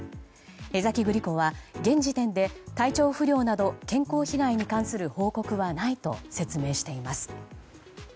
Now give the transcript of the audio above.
江崎グリコは現時点で体調不良など健康被害に関する報告はないと説明しています。